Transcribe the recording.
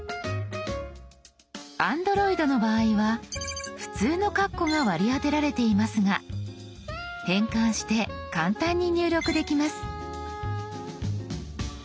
Ａｎｄｒｏｉｄの場合は普通のカッコが割り当てられていますが変換して簡単に入力できます。